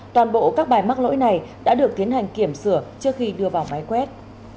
toàn bộ các bài mắc lỗi này đã được tiến hành kiểm sửa trước khi đưa vào máy quét